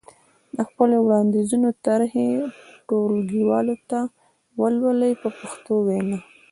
د خپلو وړاندیزونو طرحې ټولګیوالو ته ولولئ په پښتو وینا.